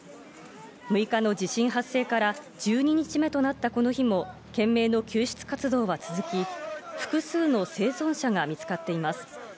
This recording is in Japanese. ６日の地震発生から１２日目となったこの日も懸命の救出活動は続き、複数の生存者が見つかっています。